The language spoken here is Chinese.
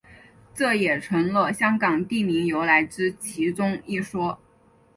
这也成了香港地名由来之其中一说。